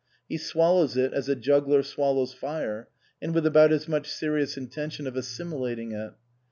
He swallows it as a juggler swallows fire, and with about as much serious intention of assimilating it.